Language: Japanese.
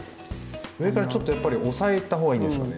上からちょっとやっぱり押さえた方がいいんですかね？